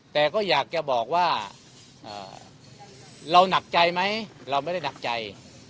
แต่ก็อยากจะบอกว่าเราหนักใจไหมเราไม่ได้หนักใจ